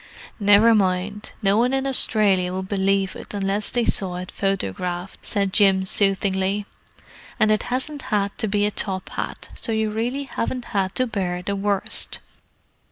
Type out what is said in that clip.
"Never mind, no one in Australia would believe it unless they saw it photographed!" said Jim soothingly. "And it hasn't had to be a top hat, so you really haven't had to bear the worst."